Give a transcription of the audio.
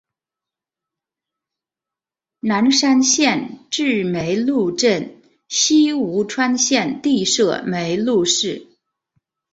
南山县治梅菉镇析吴川县地设梅菉市。